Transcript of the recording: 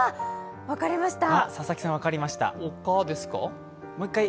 分かりました。